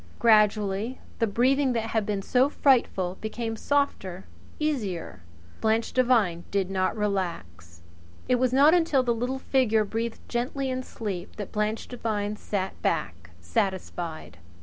Gradually the breathing that had been so frightful became softer, easier. Blanche Devine did not relax. It was not until the little figure breathed gently in sleep that Blanche Devine sat back satisfied.